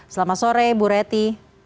selamat sore bu reti